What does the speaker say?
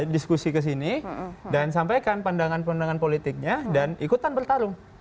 diskusi kesini dan sampaikan pandangan pandangan politiknya dan ikutan bertarung